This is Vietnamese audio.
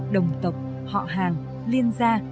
đồng tộc họ hàng liên gia